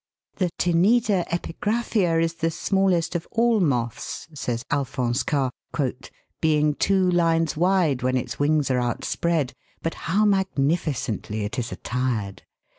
" The Tineida epigraphia is the smallest of all moths," says Alphonse Karr, "being two lines wide, when its wings are outspread ; but how magnificently it is attired